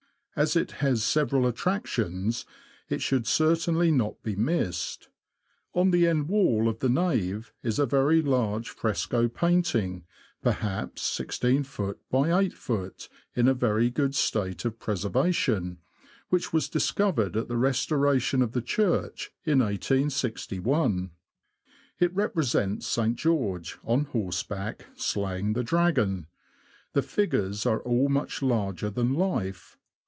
As it has several attractions, it should certainly not be missed. On the end wall < f the nave is a very large fresco painting, perhaps 1 6ft. by 8ft., in a very good state of preservation, which was discovered at the restoration of the church in 1 86 1. It represents St. George, on horseback, slaying the dragon ; the figures are all much larger than life.